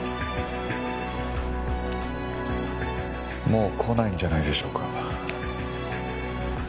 もう来ないんじゃないでしょうか？